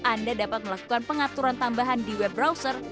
anda dapat melakukan pengaturan tambahan di web browser